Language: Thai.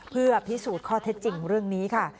เพื่อพิสูจน์ข้อเท็จจริงเรื่องนี้ค่ะ